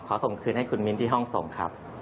ส่งคืนให้คุณมิ้นที่ห้องส่งครับ